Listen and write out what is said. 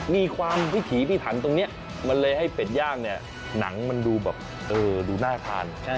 มีความวิถีพิถันตรงนี้มันเลยให้เป็ดย่างเนี่ยหนังมันดูแบบดูน่าทาน